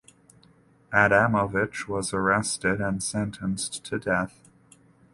Adamovich was arrested and sentenced to death.